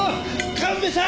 神戸さん